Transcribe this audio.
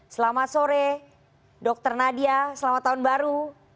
selamat sore dr nadia selamat tahun baru dua ribu dua puluh dua